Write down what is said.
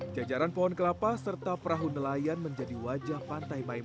kejaran pohon kelapa serta perahu nelayan yang terletak di bawah ini juga terletak di bawah ini